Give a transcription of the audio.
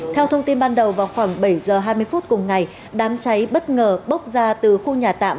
theo thông tin ban đầu vào khoảng bảy h hai mươi phút cùng ngày đám cháy bất ngờ bốc ra từ khu nhà tạm